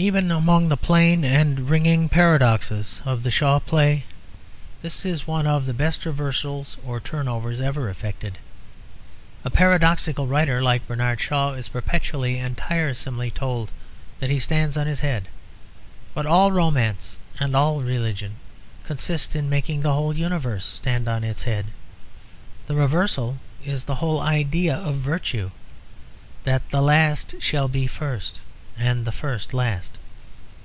Even among the plain and ringing paradoxes of the Shaw play this is one of the best reversals or turnovers ever effected. A paradoxical writer like Bernard Shaw is perpetually and tiresomely told that he stands on his head. But all romance and all religion consist in making the whole universe stand on its head. That reversal is the whole idea of virtue; that the last shall be first and the first last.